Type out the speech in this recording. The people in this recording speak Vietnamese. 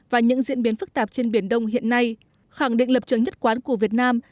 và những diễn biến phức tạp trên biển đông hiện nay khẳng định lập trường nhất quán của việt nam